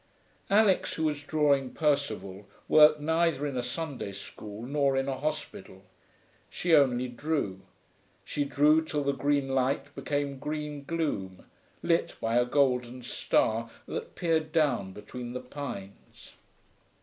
Alix, who was drawing Percival, worked neither in a Sunday school nor in a hospital. She only drew. She drew till the green light became green gloom, lit by a golden star that peered down between the pines.